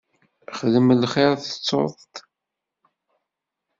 Xdem lxir tettuḍ-t.